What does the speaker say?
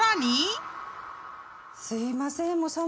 すいません。